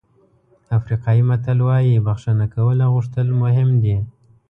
افریقایي متل وایي بښنه کول او غوښتل مهم دي.